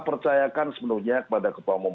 percayakan sepenuhnya kepada ketua umum